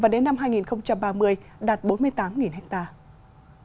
và đến năm hai nghìn ba mươi đạt bốn mươi tám hectare